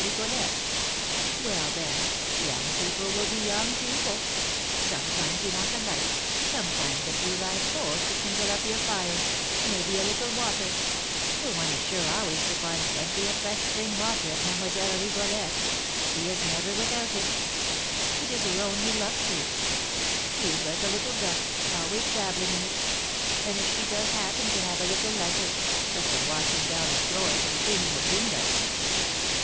Rigolette; well, then, young people will be young people, sometimes you want a light, sometimes a few live coals to kindle up your fire, maybe a little water, for one is sure always to find plenty of fresh spring water at Mlle. Rigolette's, she is never without it; it is her only luxury, she is like a little duck, always dabbling in it; and if she does happen to have a little leisure, such a washing down of floors and cleaning of windows!